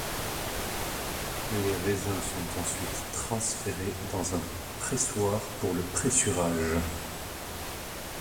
Les raisins sont ensuite transférés dans un pressoir pour le pressurage.